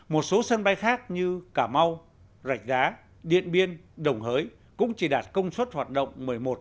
một số sân bay khác như cà mau rạch đá điện biên đồng hới cũng chỉ đạt công suất hoạt động một mươi một ba mươi bảy